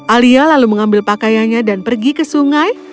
alia lalu mengambil pakaiannya dan pergi ke sungai